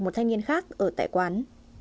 một thanh niên khác ở tại quán